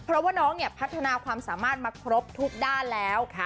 เพราะว่าน้องเนี่ยพัฒนาความสามารถมาครบทุกด้านแล้ว